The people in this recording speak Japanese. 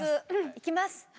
いきます。